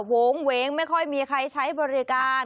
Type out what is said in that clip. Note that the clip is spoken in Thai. วงเวงไม่ค่อยมีใครใช้บริการ